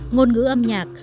ngôn ngữ âm nhạc